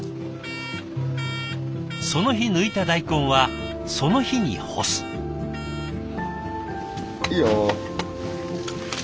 その日抜いた大根はその日に干す。いいよ。